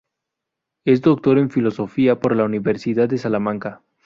Es Doctor en Filosofía por la Universidad de Salamanca.